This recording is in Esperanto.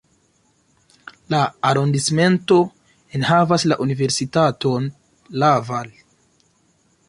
La arondismento enhavas la universitaton Laval.